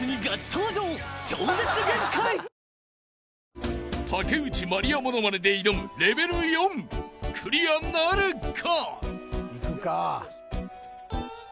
わかるぞ［竹内まりやモノマネで挑むレベル４クリアなるか？］